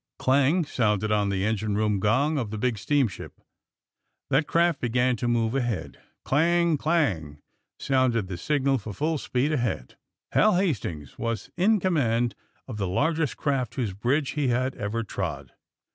^' Clang! sounded on the engine room gong of the big steamship. That craft began to move ahead. Clang! clang! sounded the signal for full speed ahead. Hal Hastings was in com mand of the largest craft whose bridge he had ever trod.